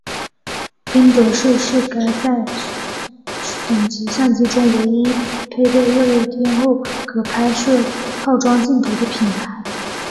宾得士是在该等级相机中唯一配备恶劣天候可拍摄套装镜头的品牌。